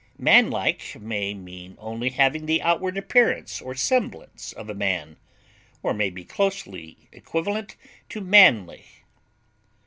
Manlike may mean only having the outward appearance or semblance of a man, or may be closely equivalent to manly.